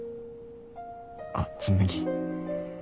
あっ紬。